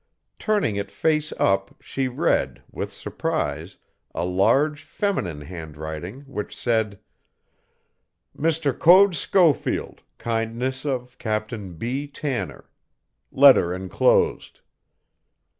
Turning it face up, she read, with surprise, a large feminine handwriting which said: Mr. Code Schofield, kindness of Captain B. Tanner Letter enclosed.